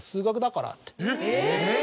えっ！